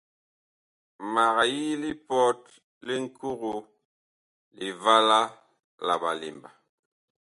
Mag yi lipɔt li Ŋkogo, Livala la Ɓalemba.